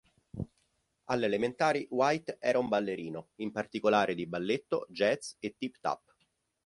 Alle elementari White era un ballerino, in particolare di balletto, jazz e tip tap.